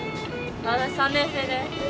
私３年生です。